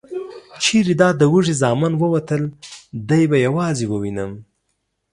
چې دا د وږي زامن ووتل، دی به یوازې ووینم؟